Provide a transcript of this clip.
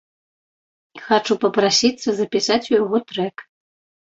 Хачу папрасіцца запісаць у яго трэк.